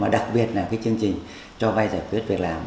đặc biệt là chương trình cho vai giải quyết việc làm